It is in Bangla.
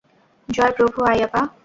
জয় প্রভু আইয়াপা!